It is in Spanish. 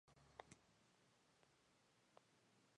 La declinación es positiva.